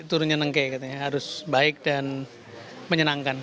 turunnya nengke katanya harus baik dan menyenangkan